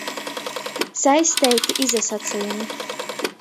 Saisteiti izasacejumi.